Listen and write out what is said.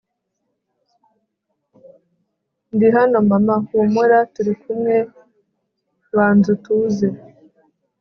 ndi hano mama humura turikumwe banzutuze